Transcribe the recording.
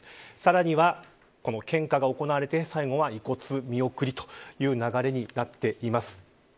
さらには、献花が行われて最後は遺骨見送りという流れになっています。